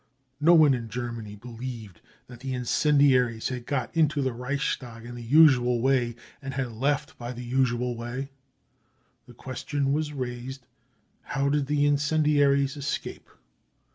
No one in Germany believed that the incendiaries had got into the Reichstag in the usu&l way and had left by the usual way. The question was raised?'; How did the incendiaries escape